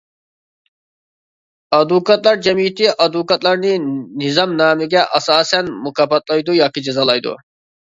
ئادۋوكاتلار جەمئىيىتى ئادۋوكاتلارنى نىزامنامىگە ئاساسەن مۇكاپاتلايدۇ ياكى جازالايدۇ.